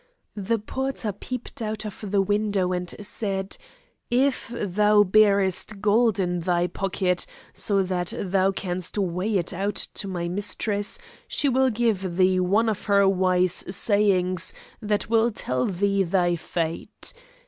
The porter peeped out of the window, and said, "If thou bearest gold in thy pocket so that thou canst weigh it out to my mistress, she will give thee one of her wise sayings that will tell thee thy fate.